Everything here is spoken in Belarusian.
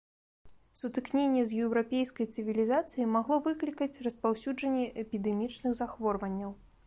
Сутыкненне з еўрапейскай цывілізацыяй магло выклікаць распаўсюджанне эпідэмічных захворванняў.